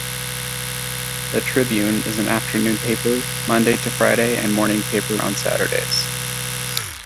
The "Tribune" is an afternoon paper Monday to Friday and morning paper on Saturdays.